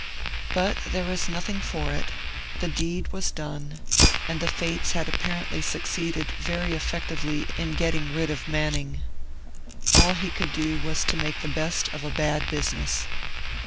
But there was nothing for it; the deed was done; and the Fates had apparently succeeded very effectively in getting rid of Manning. All he could do was to make the best of a bad business.